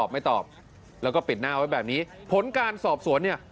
ไม่ตอบแล้วก็ปิดหน้าไว้แบบนี้ผลการสอบสวนเนี่ย